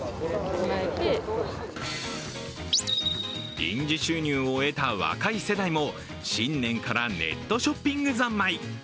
臨時収入を得た若い世代も新年からネットショッピングざんまい。